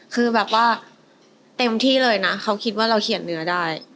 คือแบบว่าเต็มที่เลยนะเขาคิดว่าเราเขียนเนื้อได้